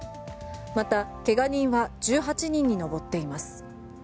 また、けが人は１８人に上っています。